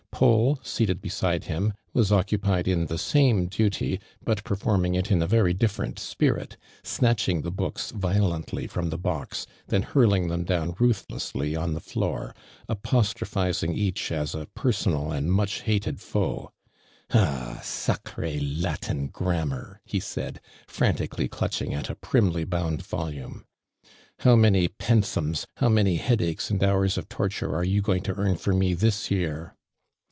Paul, seated beside hun, was oc cupied in the samt> duty, but perforniuig it 111 a very diffeient spirit, snatching the books violently I'rom the box, then hiu'ling them down ruthlessly on the floor, apostro ]>liizing each as a personal and much hated I'oe. •' Ah! s ...^ Latin grammar!"' he said, liantically clutching at a i)rinily bound vol ume. " How many pensiimn, how many lie(Klaches and hotu s of torture are you L'oing to earn for me this year?''